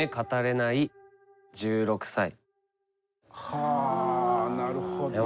はあなるほど。